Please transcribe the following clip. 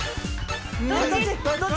どっち？